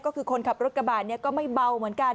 ก็คือคนขับรถกระบาดก็ไม่เบาเหมือนกัน